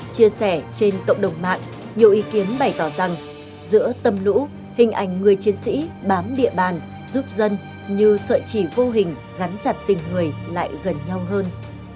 chia sẻ trên cộng đồng mạng nhiều ý kiến bày tỏ rằng giữa tâm lũ hình ảnh người chiến sĩ bám địa bàn giúp dân như sợi chỉ vô hình gắn chặt tình người lại gần nhau hơn